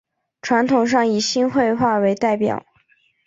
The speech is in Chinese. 传统上以新会话为代表。